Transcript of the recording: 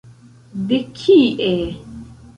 De kie?